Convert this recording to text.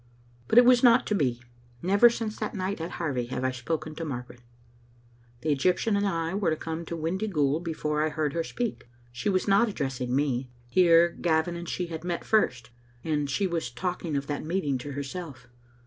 But it was not to be. Never since that night at Harvie have I spoken to Margaret. The Egyptian and I were to come to Windyghoul be fore I heard her speak. She was not addressing me. Here Gavin and she had met first, and she was talking of that meeting to herself.